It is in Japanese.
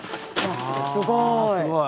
すごい。